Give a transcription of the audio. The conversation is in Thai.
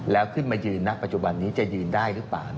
แล้วขึ้นมายืนณปัจจุบันนี้จะยืนได้หรือเปล่า